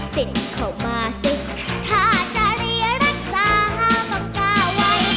ติดเข้ามาสิถ้าจะเรียกรักษาต้องกล้าไว้